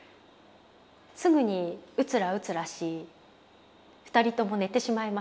すぐにうつらうつらし２人とも寝てしまいました。